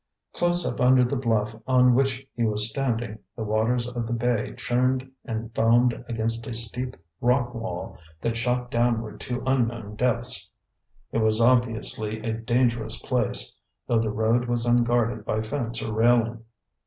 Close up under the bluff on which he was standing, the waters of the bay churned and foamed against a steep rock wall that shot downward to unknown depths. It was obviously a dangerous place, though the road was unguarded by fence or railing.